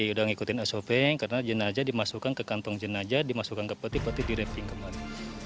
sudah ngikutin sop karena jenajah dimasukkan ke kantong jenajah dimasukkan ke peti peti di reving kembali